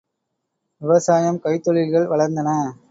விவசாயம், கைத்தொழில்கள் வளர்ந்தன.